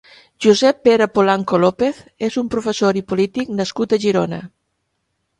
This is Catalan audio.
Josep Pere Polanco López és un professor i polític nascut a Girona.